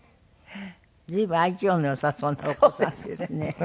随分愛嬌の良さそうなお子さんですね。